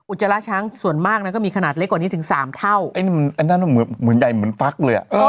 จราช้างส่วนมากนะก็มีขนาดเล็กกว่านี้ถึงสามเท่าไอ้นี่มันอันนั้นมันเหมือนใหญ่เหมือนฟักเลยอ่ะ